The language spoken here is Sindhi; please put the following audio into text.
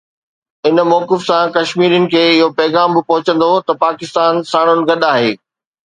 ان موقف سان ڪشميرين کي اهو پيغام به پهچندو ته پاڪستان ساڻن گڏ آهي.